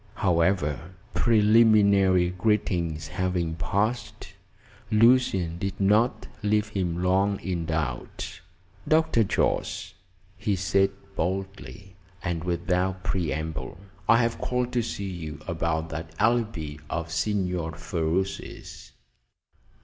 However, preliminary greetings having passed, Lucian did not leave him long in doubt. "Dr. Jorce," he said boldly, and without preamble, "I have called to see you about that alibi of Signor Ferruci's."